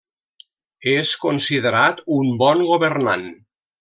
És considerat un bon governant.